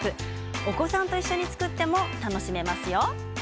お子さんと一緒に作っても楽しめますよ。